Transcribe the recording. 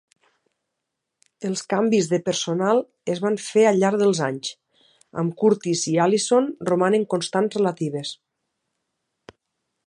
Els canvis de personal es van fer al llarg dels anys, amb Curtis i Allison romanen constants relatives.